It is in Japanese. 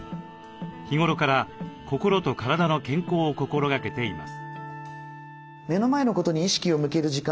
日頃から心と体の健康を心がけています。